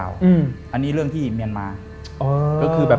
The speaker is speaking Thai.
อันนี้เรื่องที่เมียนมา